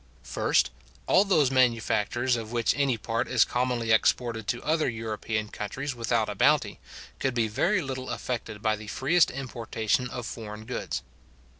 First, All those manufactures of which any part is commonly exported to other European countries without a bounty, could be very little affected by the freest importation of foreign goods.